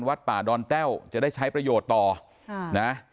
วัดป่าดอนแต้วจะได้ใช้ประโยชน์ต่อค่ะนะ